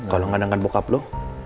kalau gak dengan bokap lo